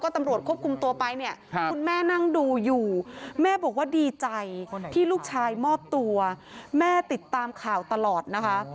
ที่ลูกชายมอบตัวแม่ติดตามข่าวตลอดนะคะ